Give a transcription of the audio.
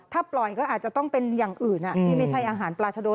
ถ้าปล่อยก็อาจจะต้องเป็นอย่างอื่นที่ไม่ใช่อาหารปลาชะโด